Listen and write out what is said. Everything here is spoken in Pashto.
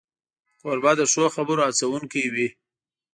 کوربه د ښو خبرو هڅونکی وي.